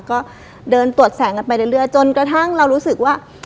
ก็เดินตรวจแสงกันไปเรื่อยจนกระทั่งเรารู้สึกว่า